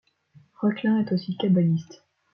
Reuchlin est aussi kabbaliste.